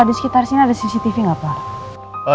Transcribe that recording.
di sekitar sini ada cctv nggak pak